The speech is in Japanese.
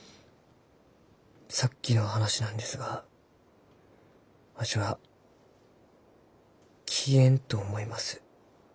さっきの話なんですがわしは消えんと思います。